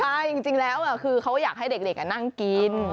ใช่จริงแล้วคือเขาอยากให้เด็กนั่งกิน